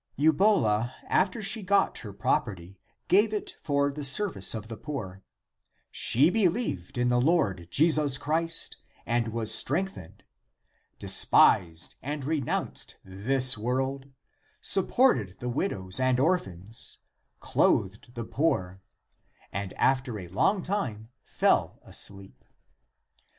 Eiibola, after she got her prop erty, gave it for the service of the poor ; she beheved in the Lord Jesus Christ and was strengthened, de spised and renounced this world, supported the widows and orphans, clothed the poor, and after a long time fell asleep.